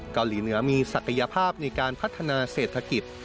เกาหลีเหนือมีศักยภาพในการพัฒนาเศรษฐกิจ